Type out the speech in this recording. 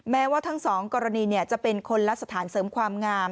แม้ว่าทั้งสองกรณีจะเป็นคนละสถานเสริมความงาม